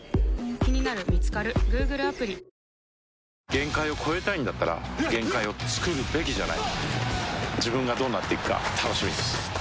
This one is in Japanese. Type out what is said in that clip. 限界を越えたいんだったら限界をつくるべきじゃない自分がどうなっていくか楽しみです